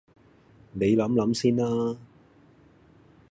你諗諗先啦